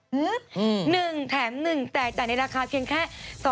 หนึ่งแถมหนึ่งแต่ในราคาเพียงแค่